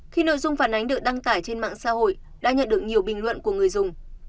khi nội dung phản ánh được đăng tải trên mạng xã hội đã nhận được nhiều bình luận của người dùng